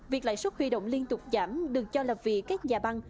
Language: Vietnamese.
việc lãi suất huy động liên tục giảm được cho là vì các nhà băng